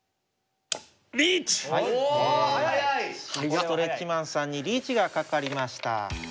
ストレッチマンさんにリーチがかかりました。